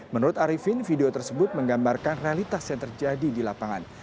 menurut arifin video tersebut menggambarkan realitas yang terjadi di lapangan